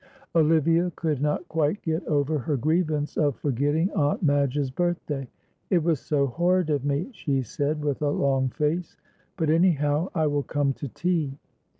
Olivia could not quite get over her grievance of forgetting Aunt Madge's birthday. "It was so horrid of me," she said, with a long face, "but, anyhow, I will come to tea."